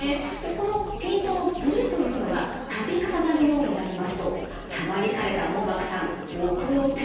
このピントのずれというのが度重なるようになりますとたまりかねた網膜さん奥の手を使います。